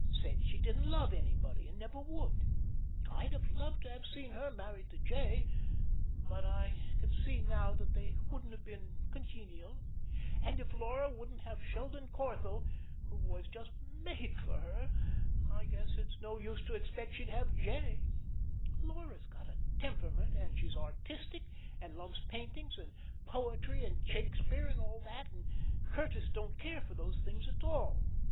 Said she didn't love anybody, and never would. I'd have loved to have seen her married to 'J.,' but I can see now that they wouldn't have been congenial; and if Laura wouldn't have Sheldon Corthell, who was just made for her, I guess it was no use to expect she'd have 'J.' Laura's got a temperament, and she's artistic, and loves paintings, and poetry, and Shakespeare, and all that, and Curtis don't care for those things at all.